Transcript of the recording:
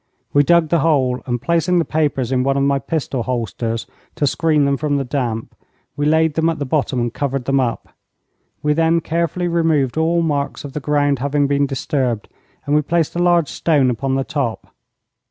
We dug the hole, and placing the papers in one of my pistol holsters to screen them from the damp, we laid them at the bottom and covered them up. We then carefully removed all marks of the ground having been disturbed, and we placed a large stone upon the top.